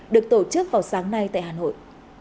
được tổ chức vào sáng nay tại hà nội